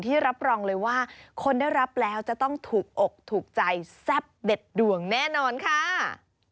รับรองเลยว่าคนได้รับแล้วจะต้องถูกอกถูกใจแซ่บเด็ดดวงแน่นอนค่ะ